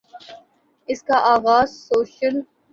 اس کا آغاز سوشل